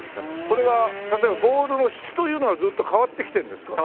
これは例えばボールの質というのはずっと変わってきてるんですか？